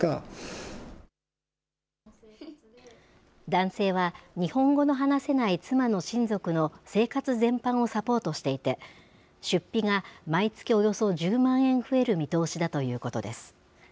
男性は、日本語の話せない妻の親族の生活全般をサポートしていて、出費が毎月およそ１０万円増える見通しだということです。